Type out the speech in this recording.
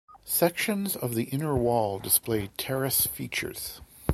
Sections of the inner wall display terrace features.